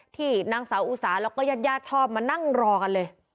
ที่นางสาวอุสาแล้วก็ญาติญาติชอบมานั่งรอกันเลย